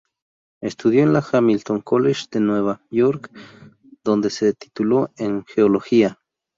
Estudió en la Hamilton College de Nueva York, donde se tituló en Geología.